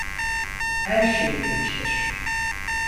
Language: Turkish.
Her şey değişir.